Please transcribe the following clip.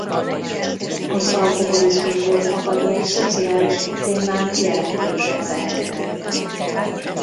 Az alkoholizmusból fakadó szociális problémák jelentősek lehetnek.